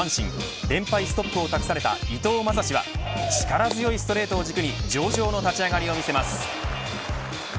ストップを託された伊藤将司は力強いストレートを軸に上々の立ち上がりを見せます。